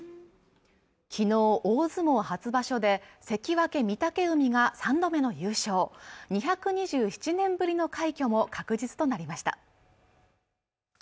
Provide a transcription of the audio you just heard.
昨日、大相撲初場所で関脇・御嶽海が３度目の優勝２２７年ぶりの快挙も確実となりました